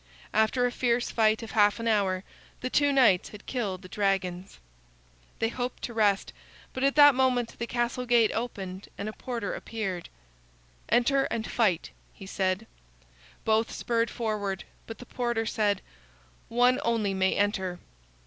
After a fierce fight of half an hour, the two knights had killed the dragons. They hoped to rest, but at that moment the castle gate opened and a porter appeared. "Enter and fight," he said. Both spurred forward, but the porter said: "One only may enter."